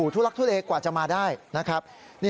ทุลักทุเลกว่าจะมาได้นะครับ